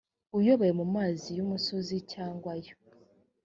uyoboye mu mazi y imusozi cyangwa ayo